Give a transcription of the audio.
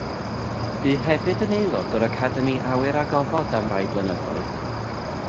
Bu hefyd yn aelod o'r Academi Awyr a Gofod am rai blynyddoedd.